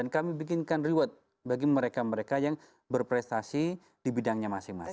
kami bikinkan reward bagi mereka mereka yang berprestasi di bidangnya masing masing